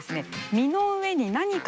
身の上に何か？